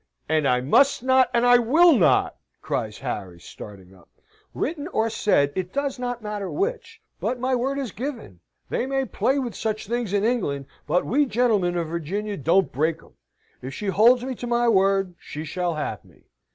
"And I must not, and I will not!" cries Harry, starting up. "Written or said it does not matter which! But my word is given; they may play with such things in England, but we gentlemen of Virginia don't break 'em. If she holds me to my word, she shall have me.